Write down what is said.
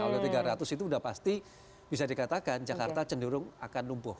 kalau tiga ratus itu sudah pasti bisa dikatakan jakarta cenderung akan lumpuh